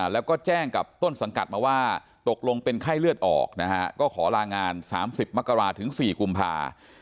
แล้วก็แจ้งกับต้นสังกัดมาว่าตกลงเป็นไข้เลือดออกนะฮะก็ขอลางาน๓๐มกราศถึง๔กุมภา